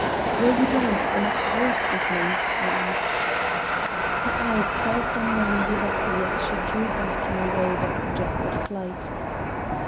"Will you dance the next waltz with me?" I asked. Her eyes fell from mine directly and she drew back in a way that suggested flight.